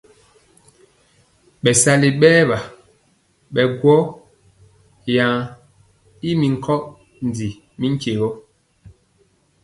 Bɛsali bɛɛr wa bogɔ yan ymi jɔɔ ri nkondi mi tyegɔ.